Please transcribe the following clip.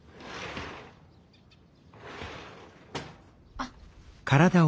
あっ。